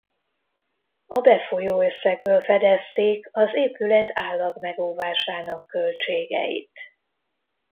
A befolyó összegből fedezték az épület állagmegóvásának költségeit.